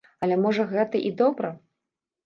Але, можа, гэта і добра.